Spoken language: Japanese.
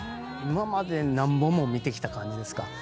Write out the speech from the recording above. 今まで何本も見てきた感じですか？